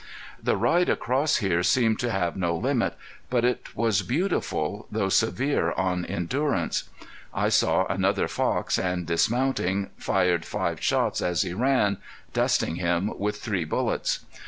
The ride across here seemed to have no limit, but it was beautiful, though severe on endurance. I saw another fox, and dismounting, fired five shots as he ran, dusting him with three bullets.